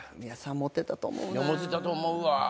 モテたと思うわ。